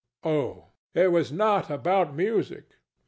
Oh, it was not about music.